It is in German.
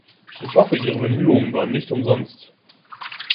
Ich hoffe, ihre Bemühungen waren nicht umsonst.